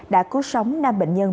đã cứu sống năm bệnh nhân